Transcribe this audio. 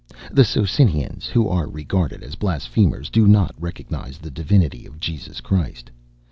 The Socinians, who are regarded as blasphemers, do not recognize the divinity of Jesus Christ.